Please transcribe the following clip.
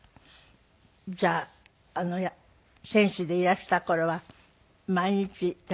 じゃあ選手でいらした頃は毎日体重も大変？